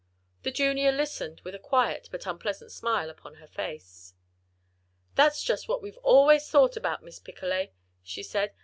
The Junior listened with a quiet but unpleasant smile upon her face. "That's just what we've always thought about Miss Picolet," she said.